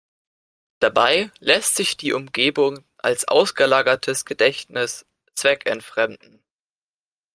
Dabei lässt sich die Umgebung als ausgelagertes Gedächtnis zweckentfremden.